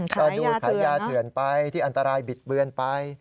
ก็ดูขายยาเถื่อนไปที่อันตรายบิดเบือนไป